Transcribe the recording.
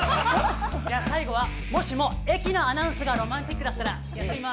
最後はもしも駅のアナウンスがロマンティックだったら。